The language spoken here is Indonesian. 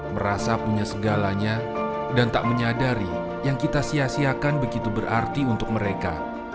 merasa punya segalanya dan tak menyadari yang kita sia siakan begitu berarti untuk mereka